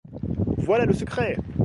Voilà le secret!